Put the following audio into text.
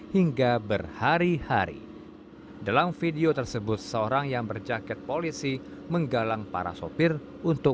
hingga berhari hari dalam video tersebut seorang yang berjaket polisi menggalang para sopir untuk